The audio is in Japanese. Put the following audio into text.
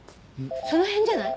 その辺じゃない？